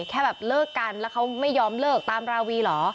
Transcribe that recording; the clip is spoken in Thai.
แค่แบบเลิกกันแล้วเขาไม่ยอมเลิกตามราวีเหรอ